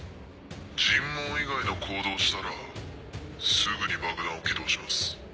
尋問以外の行動をしたらすぐに爆弾を起動します。